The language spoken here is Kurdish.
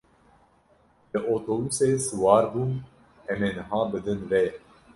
Li otobûsê siwar bûm, em ê niha bidin rê.